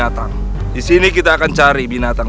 aku yang menginginkan darah binatang